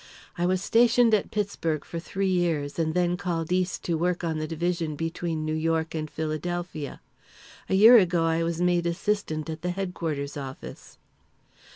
I was stationed at Pittsburg for three years and then called east to work on the division between New York and Philadelphia. A year ago, I was made assistant at the headquarters office."